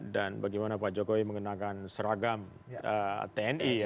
dan bagaimana pak jokowi mengenakan seragam tni